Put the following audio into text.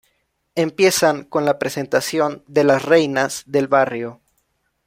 Empiezan con la presentación de las Reinas del Barrio.